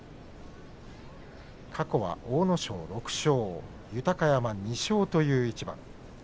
過去は阿武咲６勝豊山の２勝という一番です。